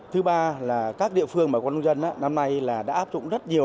thứ ba là các địa phương và quân đông dân năm nay đã áp dụng rất nhiều